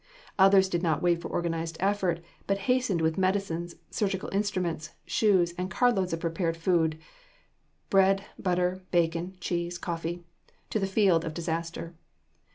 Others did not wait for organized effort, but hastened with medicines, surgical instruments, shoes and carloads of prepared food bread, butter, bacon, cheese, coffee to the field of disaster.